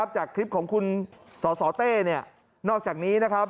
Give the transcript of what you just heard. จากคลิปของคุณสสเต้นอกจากนี้นะครับ